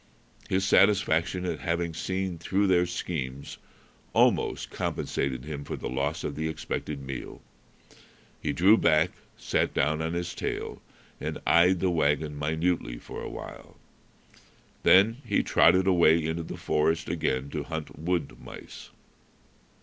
His satisfaction at having seen through their schemes almost compensated him for the loss of the expected meal. He drew back, sat down on his tail, and eyed the wagon minutely for a while. Then he trotted away into the forest again to hunt wood mice.